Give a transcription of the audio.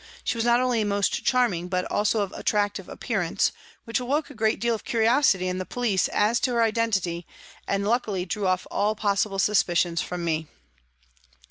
She was not only most charming, but also of attractive appearance, which awoke a great deal of curiosity in the police as to her identity, and luckily drew off all possible suspicions from me.